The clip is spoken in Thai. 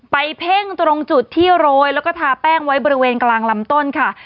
เพ่งตรงจุดที่โรยแล้วก็ทาแป้งไว้บริเวณกลางลำต้นค่ะ